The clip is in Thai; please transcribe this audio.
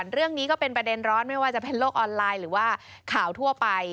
เรื่องนี้ก็เป็นประเด็นร้อนไม่ว่าจะเป็นโลกออนไลน์หรือว่าข่าวทั่วไป